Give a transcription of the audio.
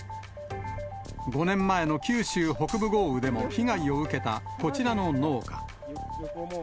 ５年前の九州北部豪雨でも被害を受けたこちらの農家。